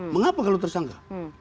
mengapa kalau tersangka